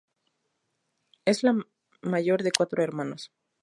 Es la mayor de cuatro hermanos.